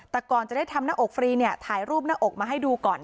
แต่ก่อนจะได้ทำหน้าอกฟรีเนี่ยถ่ายรูปหน้าอกมาให้ดูก่อน